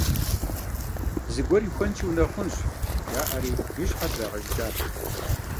«Зыгуэр ихуэнщи унэхъунщ», – жаӏэри, и щхьэр трагъэжыкӏащ.